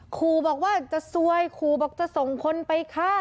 ขู่บอกว่าจะซวยขู่บอกจะส่งคนไปฆ่า